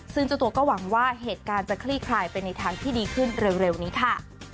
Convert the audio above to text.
ซึ่งเจ้าตัวก็หวังว่าเหตุการณ์จะคลี่คลายไปในทางที่ดีขึ้นเร็วนี้ค่ะ